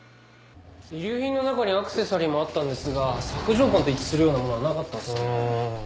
遺留品の中にアクセサリーもあったんですが索条痕と一致するようなものはなかったんですよね。